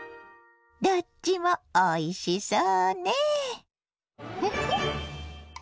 どっちもおいしそうねうふっ。